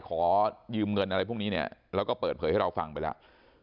ขอยืมเงินอะไรพวกนี้เนี่ยแล้วก็เปิดเผยให้เราฟังไปแล้ว